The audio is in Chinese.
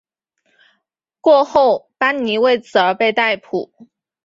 过后班尼为此而被逮捕。